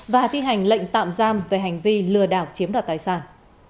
và thi hành lệnh tạm giam về hành vi lừa đảo chiếm đoạt tài sản